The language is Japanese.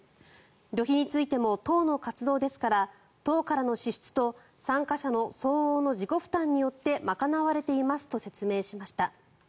旅費についても党の活動ですから党からの支出と参加者の相応の自己負担によって賄われていますと説明しました。